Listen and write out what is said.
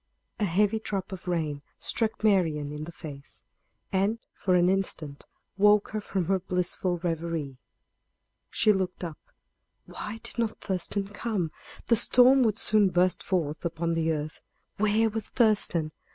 A heavy drop of rain struck Marian in the face, and, for an instant, woke her from her blissful reverie. She looked up. Why did not Thurston come? The storm would soon burst forth upon the earth; where was Thurston?